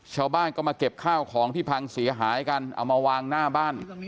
ชาวบ้านก็มาเก็บข้าวของที่พังเสียหายกันเอามาวางหน้าบ้าน